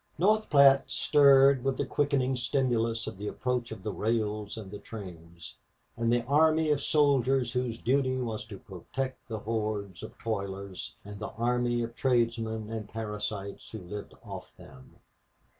North Platte stirred with the quickening stimulus of the approach of the rails and the trains, and the army of soldiers whose duty was to protect the horde of toilers, and the army of tradesmen and parasites who lived off them.